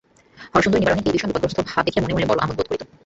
হরসুন্দরী নিবারণের এই বিষম বিপদগ্রস্ত ভাব দেখিয়া মনে মনে বড়ো আমোদ বোধ করিত।